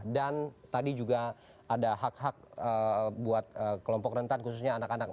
tadi juga ada hak hak buat kelompok rentan khususnya anak anak